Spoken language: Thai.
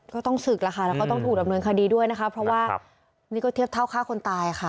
ก็ต้องศึกแล้วค่ะแล้วก็ต้องถูกดำเนินคดีด้วยนะคะเพราะว่านี่ก็เทียบเท่าฆ่าคนตายค่ะ